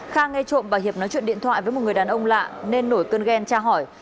khang nghe trộm bà hiệp nói chuyện điện thoại với một người đàn ông lạ nên nổi cơn ghen tra hỏi